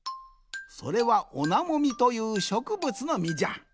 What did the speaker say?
それはオナモミというしょくぶつのみじゃ。